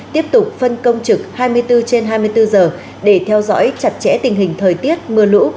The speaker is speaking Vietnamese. tiếp tục phân công trực hai mươi bốn trên hai mươi bốn giờ để theo dõi chặt chẽ tình hình thời tiết mưa lũ